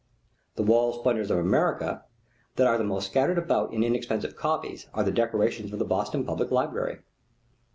The wall splendors of America that are the most scattered about in inexpensive copies are the decorations of the Boston Public Library.